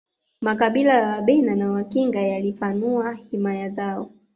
makabila ya wabena na wakinga yalipanua himaya zao